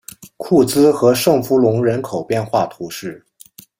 库兹和圣弗龙人口变化图示